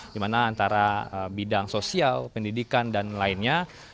dimana antara bidang sosial pendidikan dan lainnya